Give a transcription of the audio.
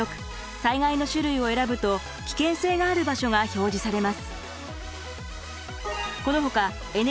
災害の種類を選ぶと危険性がある場所が表示されます。